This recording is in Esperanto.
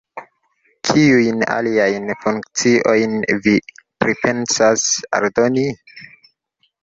Kiujn aliajn funkciojn vi pripensas aldoni?